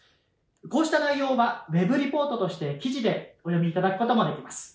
こうした内容はウェブリポートとして、記事でお読みいただくこともできます。